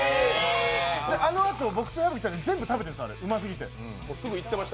あのあと僕と矢吹ちゃんで全部食べてましたもん、うますぎて。